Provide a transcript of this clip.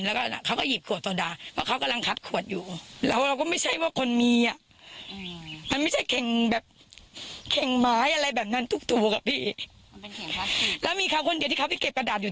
แล้วก็เขาก็หยิบขวดโทรดาเพราะเขากำลังคัดขวดอยู่